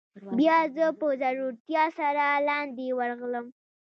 بیا زه په زړورتیا سره لاندې ورغلم.